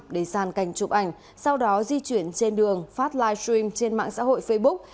để giàn cảnh chụp ảnh sau đó di chuyển trên đường phát live stream trên mạng xã hội facebook